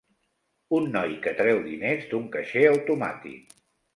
Un noi que treu diners d'un caixer automàtic.